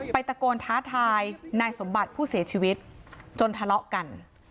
ตะโกนท้าทายนายสมบัติผู้เสียชีวิตจนทะเลาะกัน